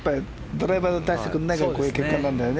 ドライバーで出してくれないからこういう結果になるんだよね。